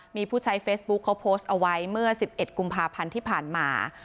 มีผู้ใช้เฟซบุ๊คเขาโพสต์เอาไว้เมื่อ๑๑กุมภาพันธ์ที่ผ่านมา